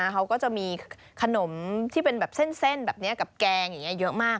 เขาก็จะมีขนมที่เป็นแบบเส้นแบบนี้กับแกงอย่างนี้เยอะมาก